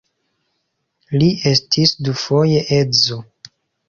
Li estis dufoje edzo.